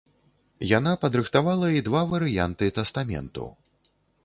Яна падрыхтавала і два варыянты тастаменту.